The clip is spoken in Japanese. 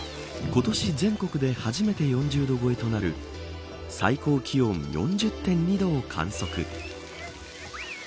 今年全国で初めて４０度超えとなる最高気温４０．２度を観測。